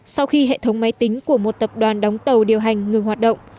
sau khi hệ thống máy tính của một tập đoàn đóng tàu điều hành ngừng hoạt động